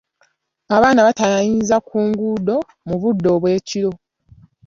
Abaana batayaayiza ku nguudo mu budde obw’ekiro.